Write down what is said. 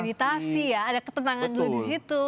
meditasi ya ada ketenangan dulu di situ